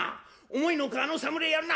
思いの外あの侍やるな」。